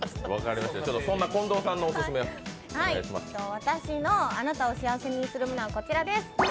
私のあなたを幸せにするものはこちらです。